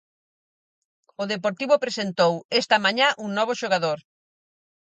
O Deportivo presentou esta mañá un novo xogador.